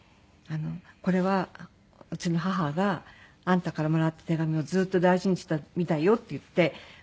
これはうちの母があんたからもらった手紙をずっと大事にしてたみたいよって言って渡されたんですよ。